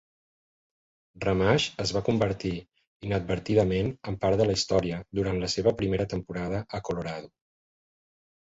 Ramage es va convertir inadvertidament en part de la història durant la seva primera temporada a Colorado.